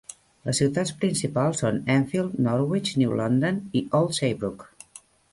Les ciutats principals són: Enfield, Norwich, New London i Old Saybrook.